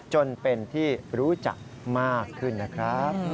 จนเป็นที่รู้จักมากขึ้นนะครับ